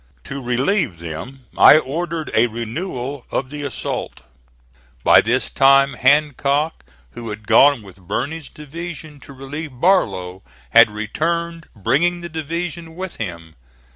To relieve them, I ordered a renewal of the assault. By this time Hancock, who had gone with Birney's division to relieve Barlow, had returned, bringing the division with him.